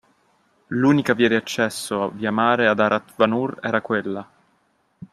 L’unica via d’accesso via mare ad Arat Vanur era quella